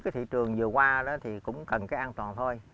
cái thị trường vừa qua thì cũng cần cái an toàn thôi